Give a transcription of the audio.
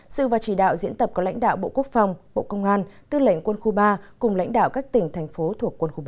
sự và chỉ đạo diễn tập có lãnh đạo bộ quốc phòng bộ công an tư lệnh quân khu ba cùng lãnh đạo các tỉnh thành phố thuộc quân khu ba